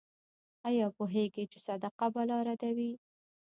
ایا پوهیږئ چې صدقه بلا ردوي؟